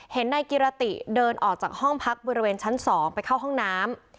นายกิรติเดินออกจากห้องพักบริเวณชั้น๒ไปเข้าห้องน้ำ